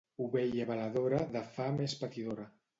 Ovella beladora de fam és patidora.